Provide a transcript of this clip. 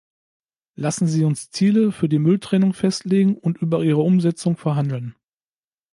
Lassen Sie uns Ziele für die Mülltrennung festlegen und über ihre Umsetzung verhandeln.